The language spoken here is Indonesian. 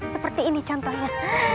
seperti ini contohnya